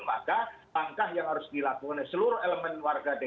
maka langkah yang harus dilakukan oleh seluruh elemen warga dki jakarta